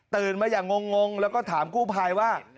ตื่นมาอย่างงงแล้วก็ถามกู้ไภว่า